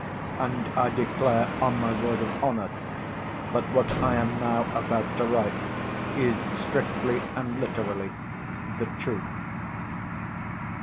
And I declare, on my word of honour, that what I am now about to write is, strictly and literally, the truth.